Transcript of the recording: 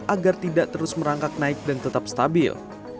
agar tidak terus merangkak naik dan tetap stabil